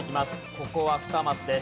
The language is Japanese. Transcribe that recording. ここは２マスです。